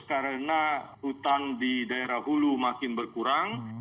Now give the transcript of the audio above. karena hutan di daerah hulu makin berkurang